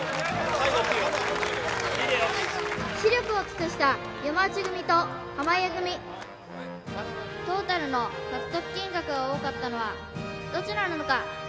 死力を尽くした山内組と濱家組トータルの獲得金額が多かったのはどちらなのか？